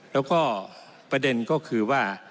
แล้วก็ประเด็นก็คือว่า